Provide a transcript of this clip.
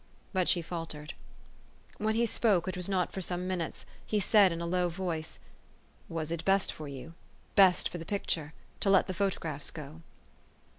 But she faltered. When he spoke, which was not for some minutes, he said in a low voice, " Was it best for you, best for the picture, to let the photographs go?